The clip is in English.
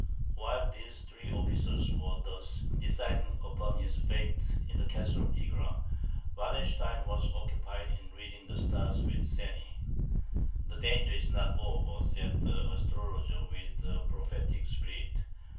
While these three officers were thus deciding upon his fate in the castle of Egra, Wallenstein was occupied in reading the stars with Seni. "The danger is not yet over," said the astrologer with prophetic spirit.